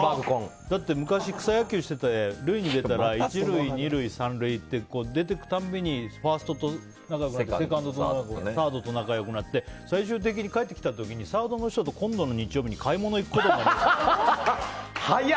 だって昔、草野球していて塁に出たら１塁、２塁、３塁って出ていくたびにファーストと、セカンドとサードと仲良くなってって最終的にかえってきた時にサードの人と今度の日曜日に買い物行くことになりましたって。